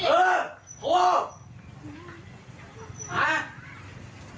ทราบ